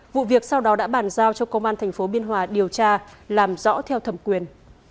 vụ việc sau đó đã bàn giao cho công an tp biên hòa điều tra làm rõ theo thẩm quyền